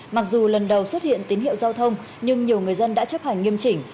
mặc dù lần đầu xuất hiện tín hiệu giao thông nhưng nhiều người dân đã chấp hành nghiêm chỉnh